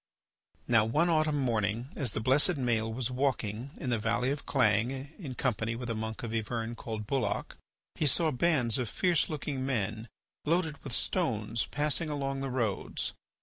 Now one autumn morning, as the blessed Maël was walking in the valley of Clange in company with a monk of Yvern called Bulloch, he saw bands of fierce looking men loaded with stones passing along the roads.